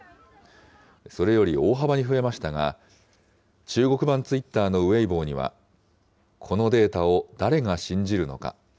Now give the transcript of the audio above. それより大幅に増えましたが、中国版ツイッターのウェイボーには、このデータを誰が信じるのか。